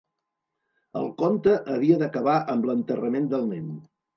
El conte havia d'acabar amb l'enterrament del nen.